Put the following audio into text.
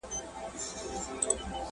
د زمانې له چپاوونو را وتلی چنار!.